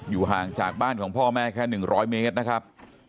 ห่างจากบ้านของพ่อแม่แค่๑๐๐เมตรนะครับ